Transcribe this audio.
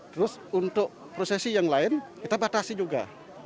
terus untuk prosesi yang lain kita batasi juga